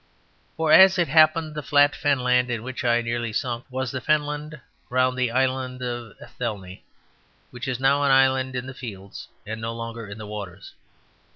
For, as it happened, the flat fenland in which I so nearly sunk was the fenland round the Island of Athelney, which is now an island in the fields and no longer in the waters.